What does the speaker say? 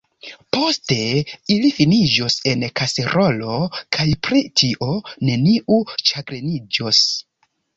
Poste ili finiĝos en kaserolo, kaj pri tio neniu ĉagreniĝos.